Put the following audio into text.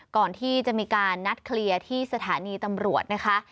ก่อนที่จะมีการนัดเคลียร์ที่สถานีตำรวจนะคะ